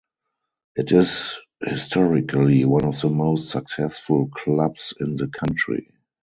It is historically one of the most successful clubs in the country.